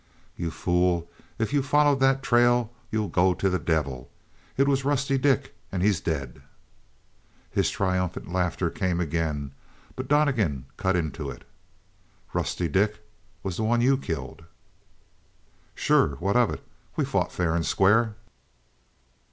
"You fool, if you follow that trail you'll go to the devil. It was Rusty Dick; and he's dead!" His triumphant laughter came again, but Donnegan cut into it. "Rusty Dick was the one you killed!" "Sure. What of it? We fought fair and square."